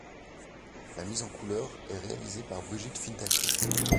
La mise en couleurs est réalisée par Brigitte Findakly.